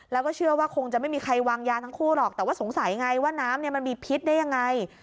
แล้วก็เชื่อว่าคงจะไม่มีใครวางยาทั้งคู่หรอกแต่ว่าสงสัยไงว่าน้ำมันมีพิษได้ยังไง